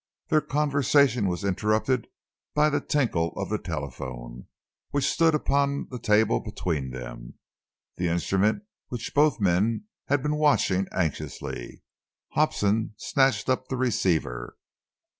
Their conversation was interrupted by the tinkle of the telephone which stood upon the table between them, the instrument which both men had been watching anxiously. Hobson snatched up the receiver.